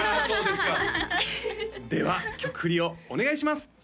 そうですかでは曲振りをお願いします